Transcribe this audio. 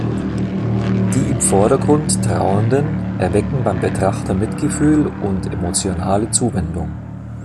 Die im Vordergrund Trauernden erwecken beim Betrachter Mitgefühl und emotionale Zuwendung.